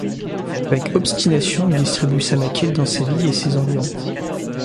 Avec obstination, il distribue sa maquette dans Séville et ses environs.